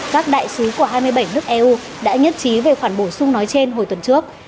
các đại sứ của hai mươi bảy nước eu đã nhất trí về khoản bổ sung nói trên hồi tuần trước